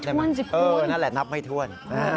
นั่นแหละนับไม่ถ้วน